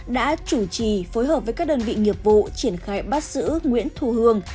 đã chủ trì phối hợp với các đơn vị nghiệp vụ triển khai bắt giữ nguyễn thu hương